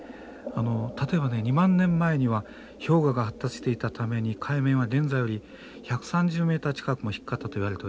例えばね２万年前には氷河が発達していたために海面は現在より１３０ｍ近くも低かったといわれております。